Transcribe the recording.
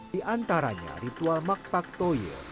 di antaranya ritual makpak toye